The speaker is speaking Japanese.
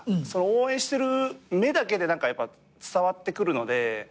その応援してる目だけでやっぱ伝わってくるので。